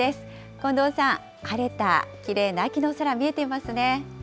近藤さん、晴れたきれいな秋の空、見えていますね。